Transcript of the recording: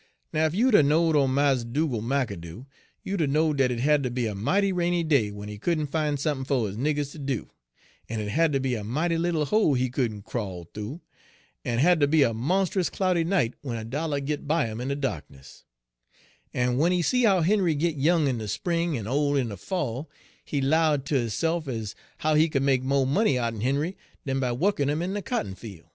"Now, ef you'd 'a' knowed ole Mars Dugal' McAdoo, you'd 'a' knowed dat it ha' ter be a mighty rainy day when he couldn' fine sump'n fer his niggers ter do, en it ha' ter be a mighty little hole he could n' crawl thoo, en ha' ter be a monst'us cloudy night when a dollar git by him in de dahkness; en w'en he see how Henry git young in de spring en ole in de fall, he 'lowed ter hisse'f ez how he could make mo' money out'n Henry dan by wukkin' him in de cotton fiel'.